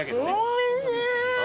おいしい！